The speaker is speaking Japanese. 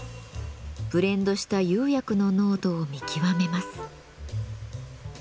ブレンドした釉薬の濃度を見極めます。